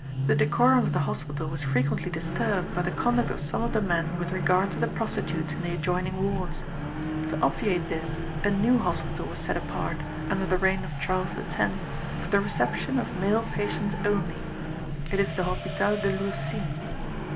The decorum of the hospital was frequently disturbed by the conduct of some of the men with regard to the prostitutes in the adjoining wards. To obviate this, a new hospital was set apart, under the reign of Charles X., for the reception of male patients only. It is the Hospital de Lourcine.